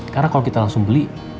karena kalau kita langsung beli